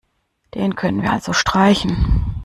Den können wir also streichen.